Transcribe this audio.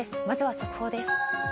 まずは速報です。